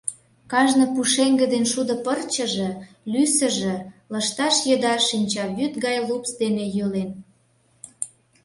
Кажне пушеҥге ден шудо пырчыже, лӱсыжӧ, лышташ еда шинчавӱд гай лупс дене йӱлен.